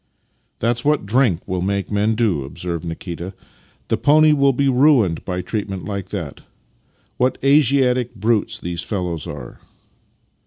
" That's what drink will make men do," observed Nikita. " The pony will be ruined by treatment like that. What Asiatic brutes the fellows are!